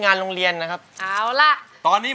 อันดับนี้เป็นแบบนี้